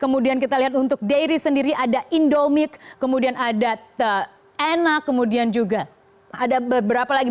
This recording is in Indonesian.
kemudian kita lihat untuk dairy sendiri ada indomic kemudian ada enak kemudian juga ada beberapa lagi